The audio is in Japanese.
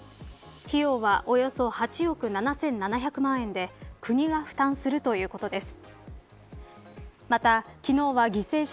費用はおよそ８億７７００万円で国が負担するということです。